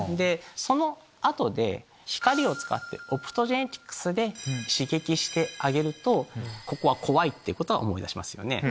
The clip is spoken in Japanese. その後で光を使ってオプトジェネティクスで刺激してあげるとここは怖いってことは思い出しますよね。